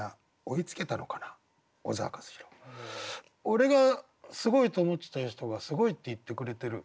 俺がすごいと思ってた人がすごいって言ってくれてる。